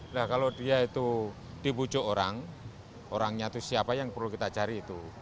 nah kalau dia itu dibujuk orang orangnya itu siapa yang perlu kita cari itu